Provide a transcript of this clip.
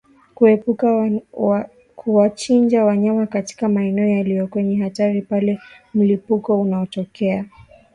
Kuepuka kuwachinja wanyama katika maeneo yaliyo kwenye hatari pale mlipuko unapotokea